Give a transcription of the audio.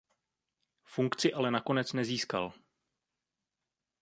Funkci ale nakonec nezískal.